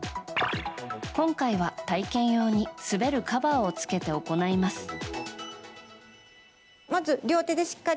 今回は体験用に滑るカバーをつけて行います。